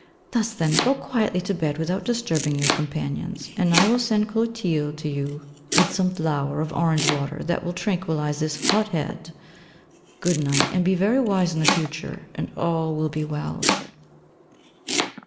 Thus then, go quietly to bed without disturbing your companions, and I will send Clothilde to you with some flower of orange water that will tranquillise this hot head. Good night, and be very wise in the future: and all will be well.'